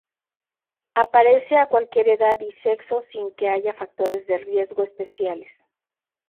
Aparece a cualquier edad y sexo sin que haya factores de riesgo especiales.